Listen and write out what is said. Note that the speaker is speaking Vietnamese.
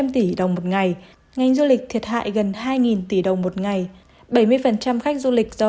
năm tỷ đồng một ngày ngành du lịch thiệt hại gần hai tỷ đồng một ngày bảy mươi khách du lịch do